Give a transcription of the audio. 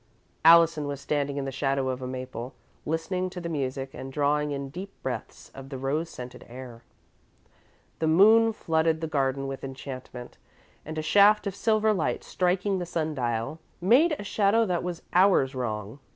Allison was standing in the shadow of a maple, listening to the music and drawing in deep breaths of the rose scented air. The moon flooded the garden with enchantment, and a shaft of silver light, striking the sundial, made a shadow that was hours wrong.